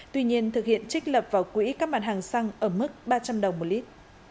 tuy nhiên thực hiện trích lập vào quỹ các mặt hàng xăng ở mức ba trăm linh đồng một lít